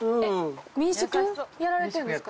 民宿やられてるんですか？